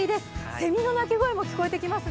せみの鳴き声も聞こえてきますね。